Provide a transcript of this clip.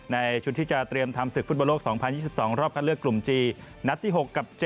ในชุดที่จะเตรียมทำศึกฟุตบอลโลก๒๐๒๒รอบคัดเลือกกลุ่มจีนนัดที่๖กับ๗